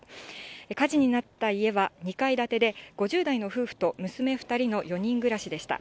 火事になった家は２階建てで、５０代の夫婦と娘２人の４人暮らしでした。